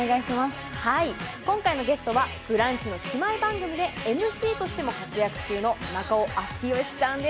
今回のゲストは「ブランチ」姉妹番組でＭＣとしても活躍中の中尾明慶さんです。